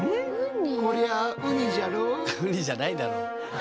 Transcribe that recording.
ウニじゃないだろ。